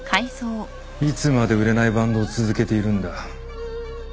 いつまで売れないバンドを続けているんだ